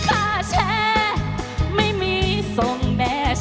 ฮุยฮาฮุยฮารอบนี้ดูทางเวที